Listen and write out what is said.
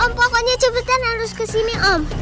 pokoknya cepetan harus kesini om